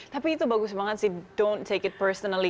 tapi itu bagus banget sih don't take it personally